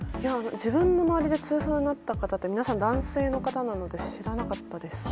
自分の周りで痛風になった方って皆さん男性の方なので知らなかったです。